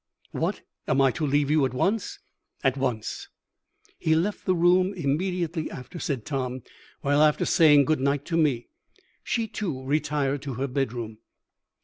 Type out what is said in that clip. "'What, am I to leave you at once?' "'At once.' "He left the room immediately after," said Tom, "while, after saying 'Good night' to me, she too retired to her bedroom."